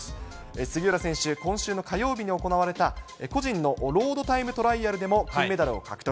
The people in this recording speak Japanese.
杉浦選手、今週の火曜日に行われた個人のロードタイムトライアルでも金メダルを獲得。